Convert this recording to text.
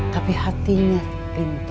tapi hatinya pintu